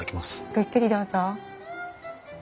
ごゆっくりどうぞ。